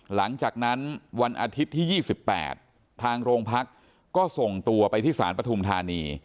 หลังจากนั้นวันอาทิตย์ที่๒๘ทางโรงพักก็ส่งตัวไปที่ศาลปฐุมธานี